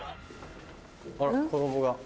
あら子供が。